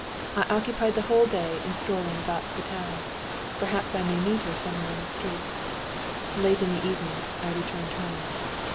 I occupied the whole day in strolling about the town. Perhaps I may meet her somewhere in the street. Late in the evening I returned home.